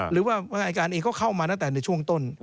หรือว่าอายการเองก็เข้ามาตั้งแต่ในช่วงต้น